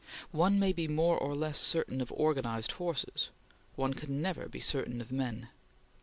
One may be more or less certain of organized forces; one can never be certain of men.